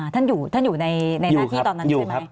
ท่านอยู่ในหน้าที่ตอนนั้นใช่ไหม